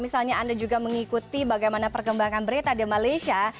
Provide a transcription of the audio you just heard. saya juga mengikuti bagaimana perkembangan berita di malaysia